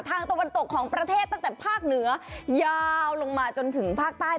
ตะวันตกของประเทศตั้งแต่ภาคเหนือยาวลงมาจนถึงภาคใต้